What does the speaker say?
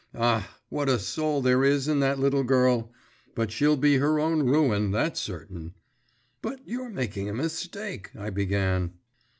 Ah, what a soul there is in that little girl!… but she'll be her own ruin, that's certain.' 'But you're making a mistake,' I began.